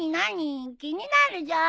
気になるじゃん。